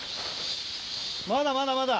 まだまだまだ。